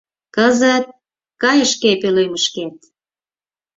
— Кызыт кай шке пӧлемышкет!